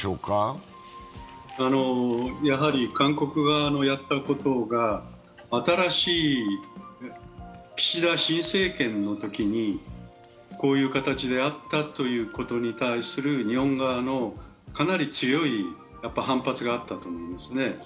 やはり韓国側のやったことが新しい岸田新政権のときにこういう形であったということに対する日本側の、かなり強い反発があったと思いますね。